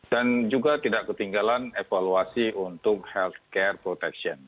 dan juga tidak ketinggalan evaluasi untuk health care protection